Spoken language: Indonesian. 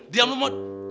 diam lu mut